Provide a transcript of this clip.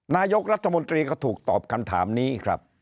นายกรัฐมนตรีก็ถูกตอบคำถามนี้ครับ